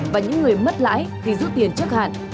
và những người mất lãi khi rút tiền trước hạn